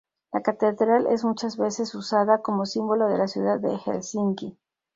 La catedral es muchas veces usada como símbolo de la ciudad de Helsinki.